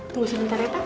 tunggu sebentar eta